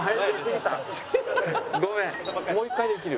もう一回できる？